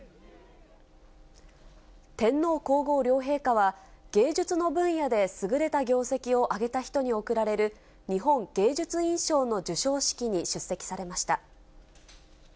天皇皇后両陛下は、芸術の分野で優れた業績を上げた人に贈られる、日本芸術院賞の授賞式に出席されました。